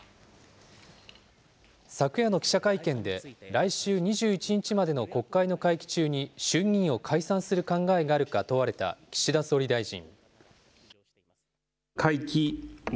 昨夜の記者会見で、来週２１日までの国会の会期中に衆議院を解散する考えがあるか問われた岸田総理大臣。